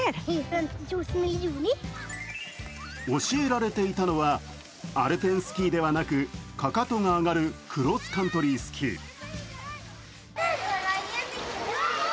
教えられていたのはアルペンスキーではなくかかとが上がるクロスカントリースキー。